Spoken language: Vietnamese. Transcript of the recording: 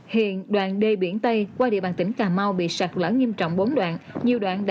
hiện đoạn đê biển tây qua địa bàn tỉnh cà mau bị sạt lỡ nghiêm trọng bốn đoạn